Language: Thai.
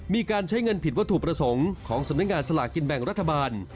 มีการใช้เงินผิดวัตถุประสงค์ของสำนักงานสลากกินแบ่งรัฐบาล